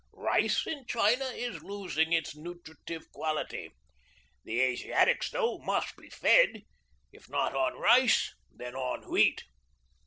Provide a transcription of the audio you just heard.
Rice in China is losing its nutritive quality. The Asiatics, though, must be fed; if not on rice, then on wheat.